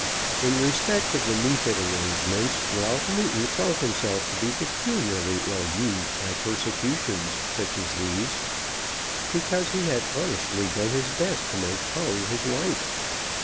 In respect of the Neefit arrangements Ralph Newton felt himself to be peculiarly ill used by persecutions such as these, because he had honestly done his best to make Polly his wife.